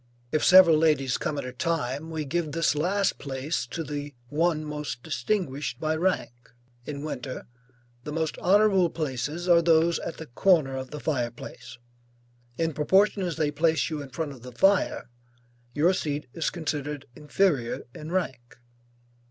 If several ladies come at a time, we give this last place to the one most distinguished by rank. In winter, the most honorable places are those at the corner of the fire place; in proportion as they place you in front of the fire, your seat is considered inferior in rank.